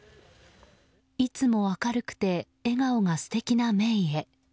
いつも明るくて笑顔が素敵なめいへ。